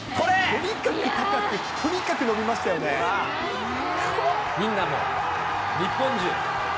とにかく高く、とにかく伸びみんなも、日本中。